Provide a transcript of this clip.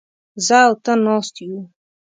زه او ته ناست يوو.